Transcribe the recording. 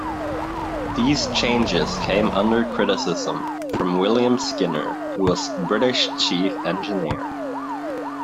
These changes came under criticism from William Skinner who was British Chief Engineer.